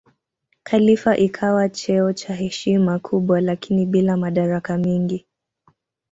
Khalifa ikawa cheo cha heshima kubwa lakini bila madaraka mengi.